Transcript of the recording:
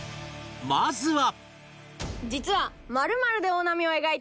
まずは